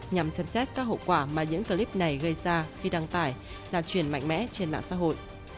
nhằm xem xét các hậu quả mà những clip này gây ra khi đăng tải là chuyển mạnh mẽ trên mạng xã hội